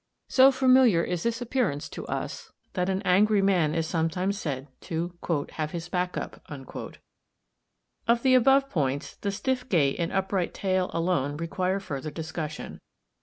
So familiar is this appearance to us, that an angry man is sometimes said "to have his back up." Of the above points, the stiff gait and upright tail alone require further discussion.